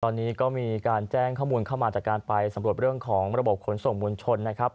ตอนนี้ก็มีการแจ้งข้อมูลเข้ามาจากการไปสำรวจเรื่องของระบบขนส่งมวลชนนะครับ